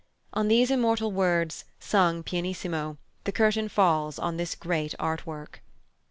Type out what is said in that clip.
On these immortal words, sung pianissimo, the curtain falls on this great art work.